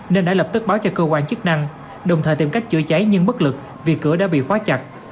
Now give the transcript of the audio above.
nên đã lập tức báo cho cơ quan chức năng đồng thời tìm cách chữa cháy nhưng bất lực vì cửa đã bị khóa chặt